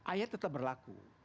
ayat tetap berlaku